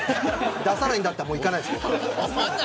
出さないんだったら行かない。